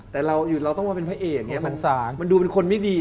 แต่เราอยู่เราต้องมาเป็นพระเอกมันดูเป็นคนไม่ดี